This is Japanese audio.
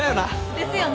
ですよね。